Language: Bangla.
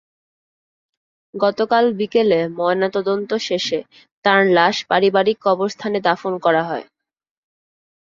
গতকাল বিকেলে ময়নাতদন্ত শেষে তাঁর লাশ পারিবারিক কবরস্থানে দাফন করা হয়।